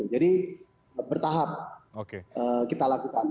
jadi bertahap kita lakukan